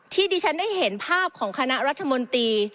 ที่ดิฉันได้เห็นภาพของคณะรัฐมนตรี